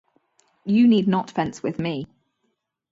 You need not fence with me.